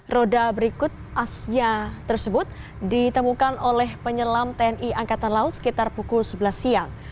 roda berikut asnya tersebut ditemukan oleh penyelam tni angkatan laut sekitar pukul sebelas siang